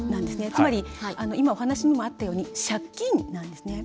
つまり今、お話にもあったように借金なんですね。